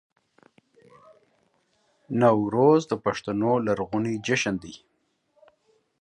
نوروز د پښتنو لرغونی جشن دی